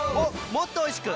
もっとおいしく！